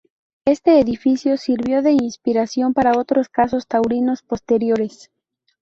Este edificio sirvió de inspiración para otros cosos taurinos posteriores.